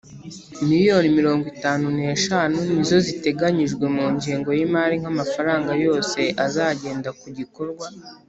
Miliyoni mirongo itanu n’eshanu nizo ziteganyijwe mungengo y’imari nk’amafaranga yose azagenda ku gikorwa.